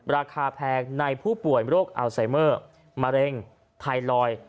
ราคาแพงในผู้ป่วยโรคอัลไซเมอร์มะเร็งไทรอยด์